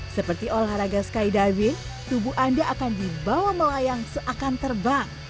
seperti olahraga skydiving tubuh anda akan dibawa melayang seakan terbang